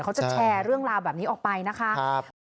เขาจะแชร์เรื่องราวแบบนี้ออกไปนะคะ